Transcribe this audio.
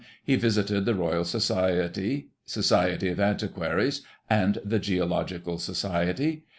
he visited the Royal Society, Society of Antiquaries and the Geological Society.